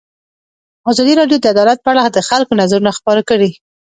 ازادي راډیو د عدالت په اړه د خلکو نظرونه خپاره کړي.